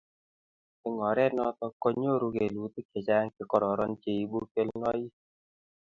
Eng' oret notok ko nyoru kelutik chechang'chekororon che ibu kelnoik